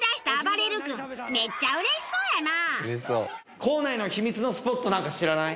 めっちゃ嬉しそうやな。